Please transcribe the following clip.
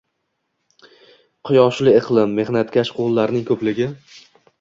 Quyoshli iqlim, mehnatkash qo‘llarning ko‘pligi